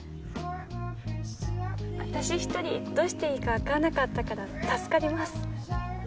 私一人でどうしていいかわからなかったから助かります。